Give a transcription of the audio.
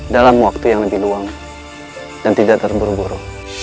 dalam waktu yang nanti luang dan tidak terburu buru